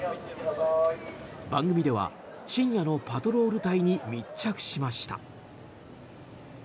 番組では深夜のパトロール隊に密着しました。